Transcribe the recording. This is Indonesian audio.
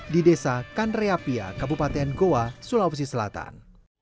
di desa kandreapia kabupaten goa sulawesi selatan